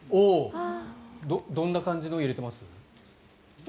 どんな感じのを入れてますか？